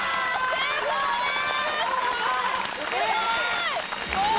成功です！